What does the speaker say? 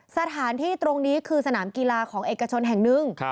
สถานที่ตรงนี้คือสนามกีฬาของเอกชนแห่งหนึ่ง